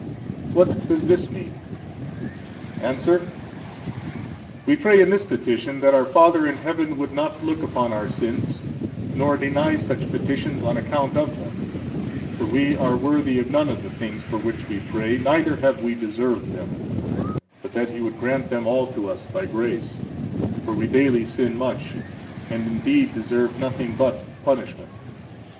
What does this mean? –Answer: We pray in this petition that our Father in heaven would not look upon our sins, nor deny such petitions on account of them; for we are worthy of none of the things for which we pray, neither have we deserved them; but that He would grant them all to us by grace; for we daily sin much, and indeed deserve nothing but punishment.